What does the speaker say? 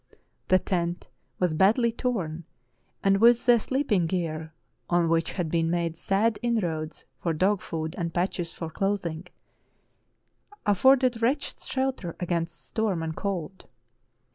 The tent was badly torn, and, with the sleeping gear — on which had been made sad inroads for dog food and patches for clothing — afforded wretched shelter against storm and cold.